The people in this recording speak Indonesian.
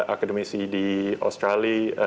akademisi di australia